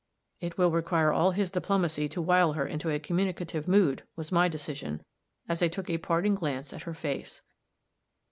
"It will require all his diplomacy to wile her into a communicative mood," was my decision, as I took a parting glance at her face.